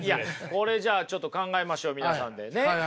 これじゃあちょっと考えましょう皆さんで。ね。